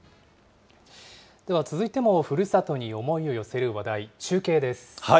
では続いても、ふるさとに思いを寄せる話題、中継です。